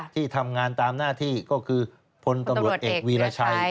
ที่ทำงานตามหน้าที่ก็คือพลตำรวจเอกวีรชัย